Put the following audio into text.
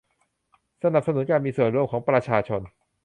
สนับสนุนการมีส่วนร่วมของประชาชน